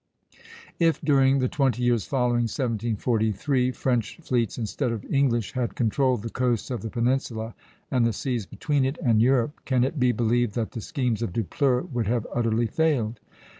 If during the twenty years following 1743, French fleets instead of English had controlled the coasts of the peninsula and the seas between it and Europe, can it be believed that the schemes of Dupleix would have utterly failed?